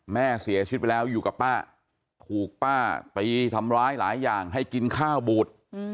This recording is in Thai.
แม่เสียชีวิตไปแล้วอยู่กับป้าถูกป้าตีทำร้ายหลายอย่างให้กินข้าวบูด